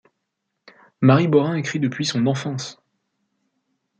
Marie Borin écrit depuis son enfance.